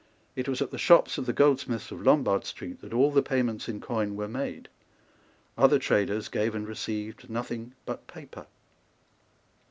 It was at the shops of the goldsmiths of Lombard Street that all the payments in coin were made. Other traders gave and received nothing but paper.